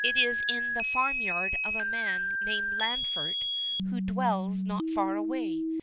It is in the farmyard of a man named Lanfert who 'dwells not far away.